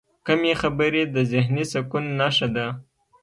کمې خبرې، د ذهني سکون نښه ده.